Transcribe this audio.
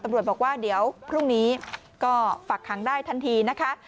ตำรวจบอกว่าเดี๋ยวพรุ่งนี้ก็ฝากขังได้ทันทีนะคะ